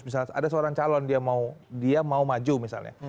misalnya ada seorang calon dia mau maju misalnya